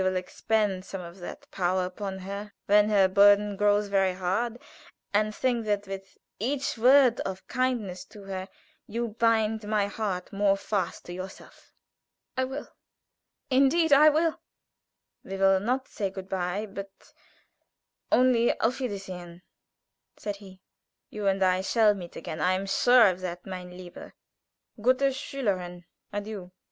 Will you expend some of that power upon her when her burden grows very hard, and think that with each word of kindness to her you bind my heart more fast to yourself?" "I will indeed I will!" "We will not say good bye, but only auf wiedersehen!" said he. "You and I shall meet again. I am sure of that. Meine liebe, gute Schülerin, adieu!"